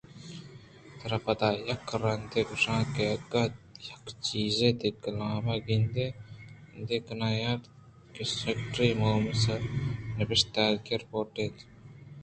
ترا پدا یک رندے گوٛشاں کہ اگاں یک چیزے تئی ءُ کلام ءِ گندءُ نند کنائینت کنت کہ سیکریٹری مومس ءِ نبشتگیں رپورٹ اِنت